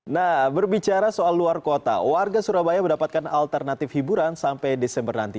nah berbicara soal luar kota warga surabaya mendapatkan alternatif hiburan sampai desember nanti